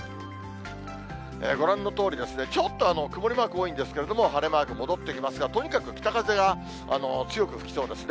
ご覧のとおり、ちょっと曇りマーク多いんですけれども、晴れマーク戻ってきますが、とにかく北風が強く吹きそうですね。